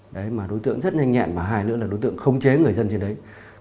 đấy mà đối tượng rất nhanh nhẹn và hai nữa là đối tượng khống chế người dân trên đấy